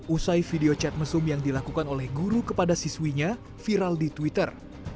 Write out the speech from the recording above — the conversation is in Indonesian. usai video chat mesum yang dilakukan oleh guru kepada siswinya viral di twitter